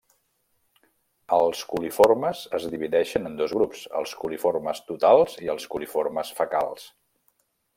Els coliformes es divideixen en dos grups, els coliformes totals i els coliformes fecals.